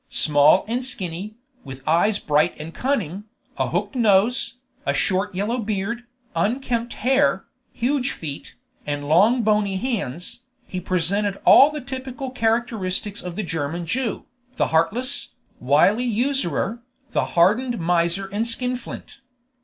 Small and skinny, with eyes bright and cunning, a hooked nose, a short yellow beard, unkempt hair, huge feet, and long bony hands, he presented all the typical characteristics of the German Jew, the heartless, wily usurer, the hardened miser and skinflint.